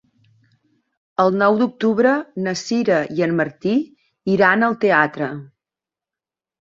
El nou d'octubre na Sira i en Martí iran al teatre.